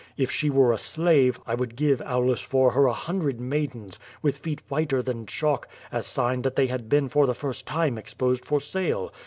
If she were a slave, I would give Aulus for her a hundred maidens, with feet whiter than chalk, as sign that they had been for the first time exposed for sale.